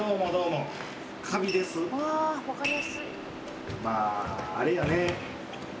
うわ分かりやすい。